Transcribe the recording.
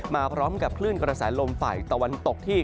มาพร้อมกับคลื่นกระแสลมฝ่ายตะวันตกที่